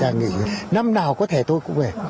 năm nào có thể tôi cũng về